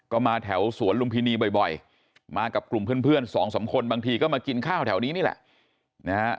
ก็มาแถวสวนลุมพินีบ่อยมากับกลุ่มเพื่อนสองสามคนบางทีก็มากินข้าวแถวนี้นี่แหละนะฮะ